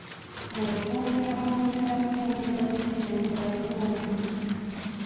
Bw’ofumbira Omukira gw’endiga mu bijanjaalo biwooma.